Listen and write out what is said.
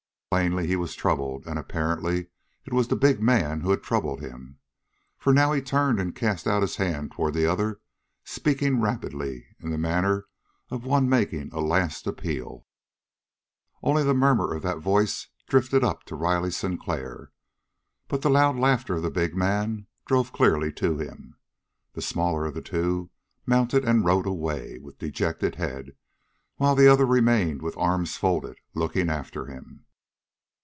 Plainly he was troubled, and apparently it was the big man who had troubled him. For now he turned and cast out his hand toward the other, speaking rapidly, in the manner of one making a last appeal. Only the murmur of that voice drifted up to Riley Sinclair, but the loud laughter of the big man drove clearly to him. The smaller of the two mounted and rode away with dejected head, while the other remained with arms folded, looking after him.